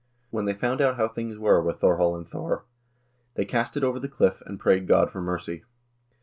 When they found out how things were with Thorhall and Thor, "they cast it over the cliff, and prayed God for mercy.